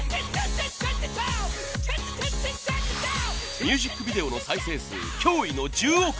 ミュージックビデオの再生数驚異の１０億回超え！